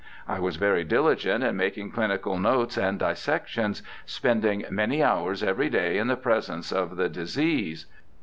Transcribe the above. I was very diligent in making cHnical notes and dissec tions, spending many hours every day in the presence of the disease.